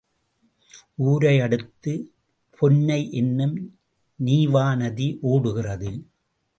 ஊரை அடுத்து பொன்னை என்னும் நீவாநதி ஓடுகிறது.